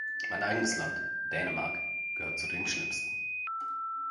Mein eigenes Land, Dänemark, gehört zu den schlimmsten.